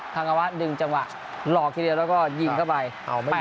ทางอวะดึงจังหวะหลอกทีเดียวแล้วก็ยิงเข้าไป